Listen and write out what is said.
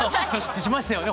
しましたよね？